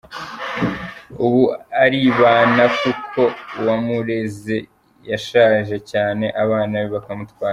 Ubu aribana kuko uwamureze yashaje cyane abana be bakamutwara.